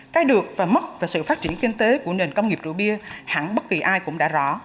cái được và mất về sự phát triển kinh tế của nền công nghiệp rượu bia hẳn bất kỳ ai cũng đã rõ